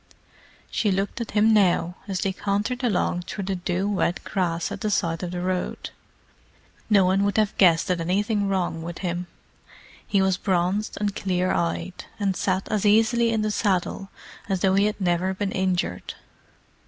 She looked at him now, as they cantered along through the dew wet grass at the side of the road. No one would have guessed at anything wrong with him: he was bronzed and clear eyed, and sat as easily in the saddle as though he had never been injured.